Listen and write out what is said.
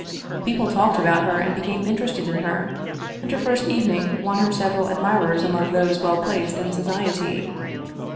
People talked about her and became interested in her, and her first evening won her several admirers among those well placed in society.